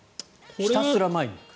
ひたすら前に行く。